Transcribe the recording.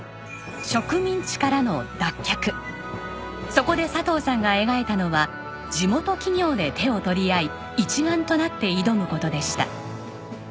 そこで佐藤さんが描いたのは地元企業で手を取り合い一丸となって挑む事でした。